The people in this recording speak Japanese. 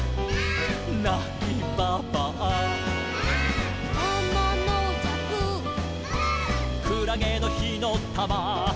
「なきばばあ」「」「あまのじゃく」「」「くらげのひのたま」「」